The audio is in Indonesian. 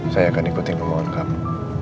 saya akan ikuti pemohon kamu